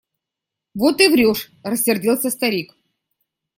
Вот и врешь! – рассердился старик.